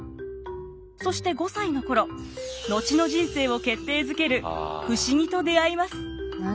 そして５歳の頃後の人生を決定づける不思議と出会います。